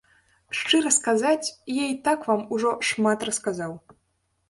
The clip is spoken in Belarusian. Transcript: Шчыра сказаць, я і так вам ужо шмат расказаў.